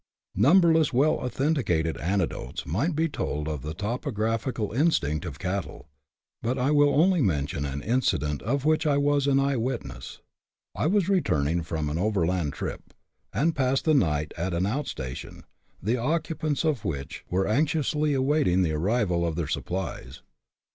Numberless well authenticated anecdotes might be told of the topographical instinct of cattle, but I will only mention an in cident of which I was an eye witness. I was returning from an overland trip, and passed the night at an out station, the occu pants of which were anxiously awaiting the arrival of their sup plies.